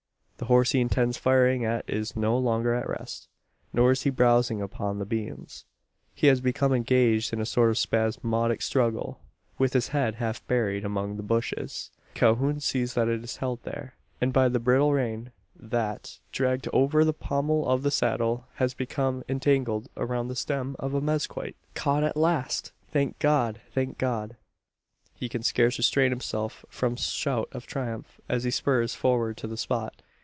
The horse he intends firing at is no longer at rest, nor is he browsing upon the beans. He has become engaged in a sort of spasmodic struggle with his head half buried among the bushes! Calhoun sees that it is held there, and by the bridle rein, that, dragged over the pommel of the saddle, has become entangled around the stem of a mezquite! "Caught at last! Thank God thank God!" He can scarce restrain himself from shout of triumph, as he spurs forward to the spot.